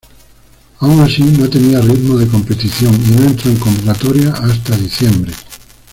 Aún así no tenía ritmo de competición y no entró en convocatorias hasta diciembre.